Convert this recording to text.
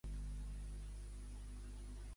I Rajoy què n'ha dit?